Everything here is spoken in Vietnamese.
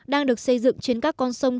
đang được xây dựng trên các con sông